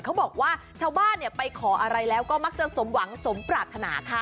ชาวบ้านไปขออะไรแล้วก็มักจะสมหวังสมปรารถนาค่ะ